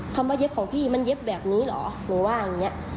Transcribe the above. คำว่าเย็บของพี่มันเย็บแบบนี้เหรอหนูว่าอย่างนี้